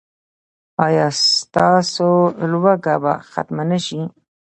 ایا ستاسو لوږه به ختمه نه شي؟